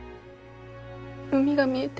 海が見えて。